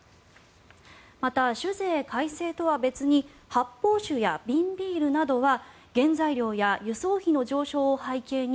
また、酒税改正とは別に発泡酒や瓶ビールなどは原材料や輸送費の上昇を背景に